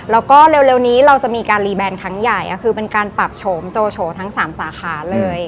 แล้วก็เร็วเร็วนี้เราจะมีการทั้งใหญ่อ่ะคือเป็นการปรับโฉมโจโฉทั้งสามสาขาเลย